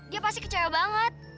dia pasti kecaya banget